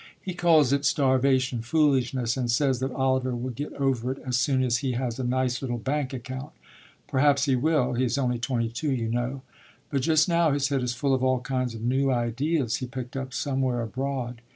He calls it 'starvation foolishness,' and says that Oliver will get over it as soon as he has a nice little bank account. Perhaps he will he is only twenty two, you know but just now his head is full of all kinds of new ideas he picked up somewhere abroad.